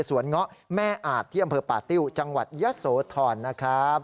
สวนเงาะแม่อาทเที่ยมพปติ้วจังหวัดยะโสทรนะครับ